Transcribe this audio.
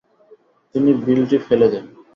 তিনি বিলটি ফেলে দেন।